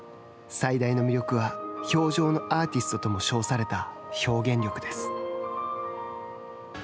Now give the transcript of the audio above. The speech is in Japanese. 最大の魅力は氷上のアーティストとも称された表現力です。